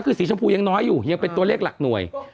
ก็คือสีชมพูยังน้อยอยู่ยังเป็นตัวเลขหลักหน่วย